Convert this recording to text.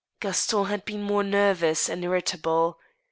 Gaston had been more nervous and irritable.